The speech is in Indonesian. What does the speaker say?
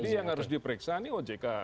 jadi yang harus diperiksa ini ojk